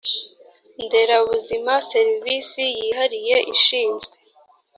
nderabuzima serivisi yihariye ishinzwe